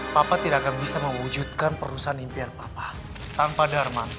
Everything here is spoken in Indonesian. papa tidak akan bisa mewujudkan perusahaan impian papa tanpa dharma